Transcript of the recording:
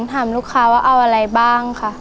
ถามลูกค้าว่าเอาอะไรบ้างค่ะ